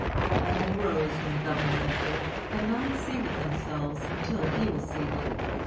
All rose when the Governor entered, and none seated themselves until he was seated.